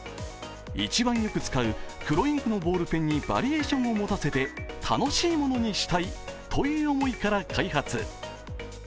一番よく使う黒インクのボールペンにバリエーションを持たせて楽しいものにしたいという思いから開発。